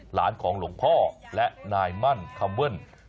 หลานของหลวงพ่อและนายมั่นคัมเบิ้ล